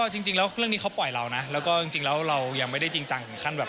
จริงแล้วเรื่องนี้เขาปล่อยแล้วก็ยังไม่ได้จริงจังขั้นแบบ